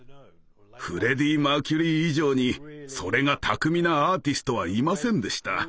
フレディ・マーキュリー以上にそれが巧みなアーティストはいませんでした。